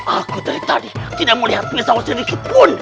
aku dari tadi tidak melihat pisau sedikit pun